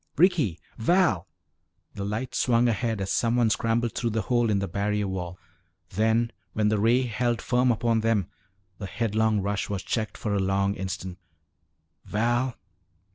"Ricky! Val!" The light swung ahead as someone scrambled through the hole in the barrier wall. Then, when the ray held firm upon them, the headlong rush was checked for a long instant. "Val!"